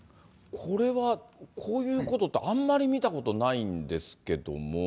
これはこういうことって、あんまり見たことないんですけども。